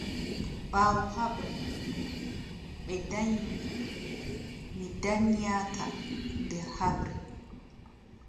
Ɓaawo haɓre ɓe danyi mi, mi danyaaka nder haɓre.